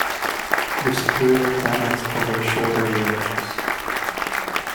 The superior planets cover shorter ranges.